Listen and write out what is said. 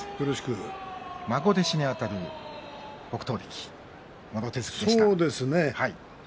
孫弟子にあたる北勝力もろ手